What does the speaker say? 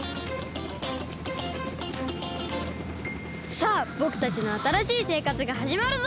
さあぼくたちのあたらしいせいかつがはじまるぞ！